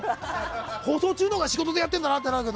放送中のほうが仕事でやってるんだなってなるけど。